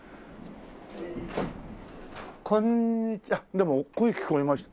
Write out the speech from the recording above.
でも声聞こえました。